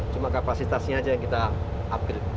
cuma kapasitasnya aja yang kita ambil